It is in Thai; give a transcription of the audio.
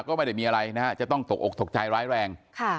ก็ไม่ได้มีอะไรนะฮะจะต้องตกอกตกใจร้ายแรง